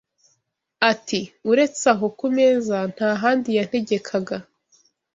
Ati “Uretse aho ku meza nta handi yantegekaga